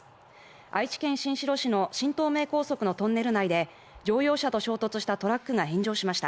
愛知県新城市の新東名高速のトンネル内で乗用車と衝突したトラックが炎上しました。